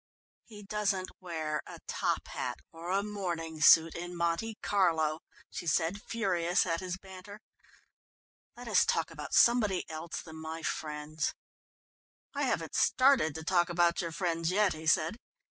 "He doesn't wear a top hat or a morning suit in Monte Carlo," she said, furious at his banter. "Let us talk about somebody else than my friends." "I haven't started to talk about your friends yet," he said.